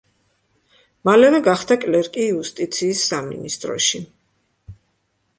მალევე გახდა კლერკი იუსტიციის სამინისტროში.